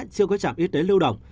chưa có trạm y tế lưu động